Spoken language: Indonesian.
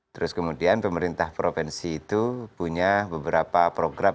terus kemudian pemerintah provinsi itu punya beberapa program